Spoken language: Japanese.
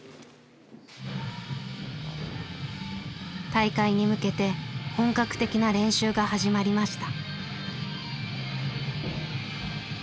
大会に向けて本格的な練習が始まりました。